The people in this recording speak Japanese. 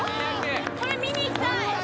これ見に行きたい！